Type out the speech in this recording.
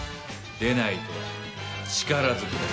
でないと力ずくだ。